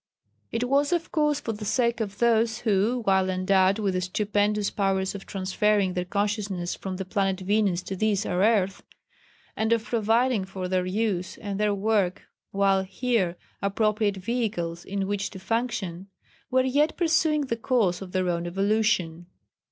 It was, of course, for the sake of those who, while endowed with the stupendous powers of transferring their consciousness from the planet Venus to this our earth, and of providing for their use and their work while here appropriate vehicles in which to function, were yet pursuing the course of their own evolution.